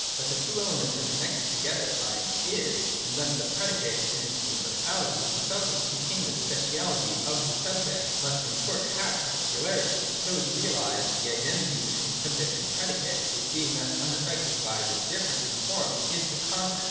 But the two elements are connected together by an ' is ': and thus the predicate (in its universality) must also contain the speciality of the subject, must, in short, have particularity: and so is realised the identity between subject and predicate ; which, being thus unaffected by this difference in form, is the content.